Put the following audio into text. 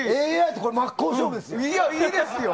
ＡＩと真っ向勝負ですよ。